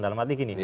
dalam arti gini